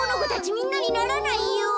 みんなにならないよ。